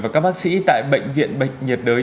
và các bác sĩ tại bệnh viện bệnh nhiệt đới